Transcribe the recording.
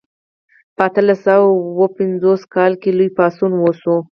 په اتلس سوه او اووه پنځوسم کال کې لوی پاڅون وشو.